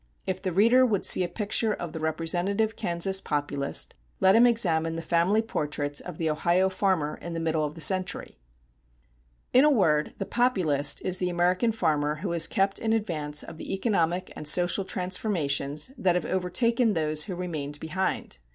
If the reader would see a picture of the representative Kansas Populist, let him examine the family portraits of the Ohio farmer in the middle of this century. In a word, the Populist is the American farmer who has kept in advance of the economic and social transformations that have overtaken those who remained behind.